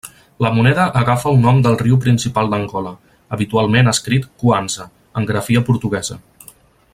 La moneda agafa el nom del riu principal d'Angola, habitualment escrit Cuanza, en grafia portuguesa.